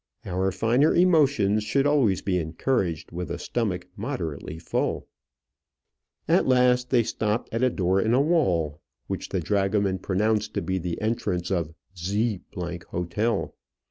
Our finer emotions should always be encouraged with a stomach moderately full. At last they stopped at a door in a wall, which the dragoman pronounced to be the entrance of Z 's hotel.